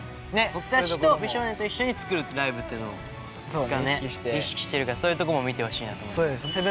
僕たちと美少年と一緒に作るライブっていうのを意識してるからそういうとこも見てほしいなと思います。